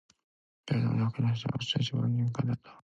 けれども邪悪に対しては、人一倍に敏感であった。